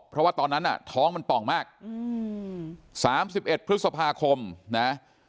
เพราะว่าตอนนั้นน่ะท้องมันป่องมาก๓๑พฤษภาคมนะ